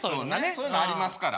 そういうのありますから。